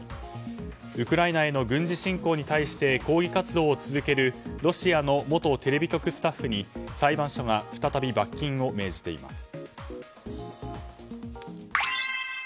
ウクライナへの軍事侵攻に対して抗議活動を続けるロシアの元テレビ局スタッフに裁判所が再び罰金を命じています。